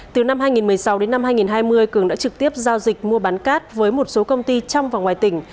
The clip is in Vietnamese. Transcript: từ năm hai nghìn một mươi sáu đến năm hai nghìn hai mươi cường đã trực tiếp giao dịch mua bán cát với một số công ty trong và ngoài tỉnh